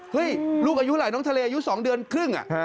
ลูกอายุเท่าไหร่น้องทะเลอายุ๒เดือนครึ่ง